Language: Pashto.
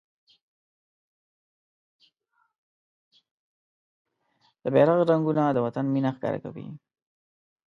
د بېرغ رنګونه د وطن مينه ښکاره کوي.